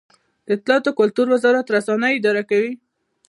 د اطلاعاتو او کلتور وزارت رسنۍ اداره کوي